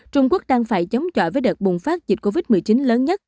trung quốc đang phải chống chọi với đợt bùng phát dịch covid một mươi chín lớn nhất